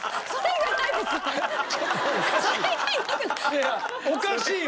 いやいやおかしいよ！